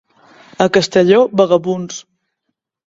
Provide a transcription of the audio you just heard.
A Castelló, vagabunds.